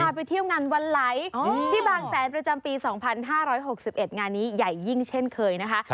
ไปเที่ยวงานวันไหลที่บางแสนประจำปี๒๕๖๑งานนี้ใหญ่ยิ่งเช่นเคยนะคะ